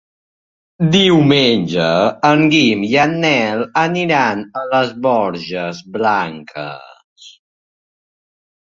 Diumenge en Guim i en Nel aniran a les Borges Blanques.